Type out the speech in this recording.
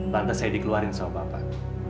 lantas saya dikeluarin sama bapak